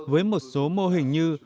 với một số mô hình như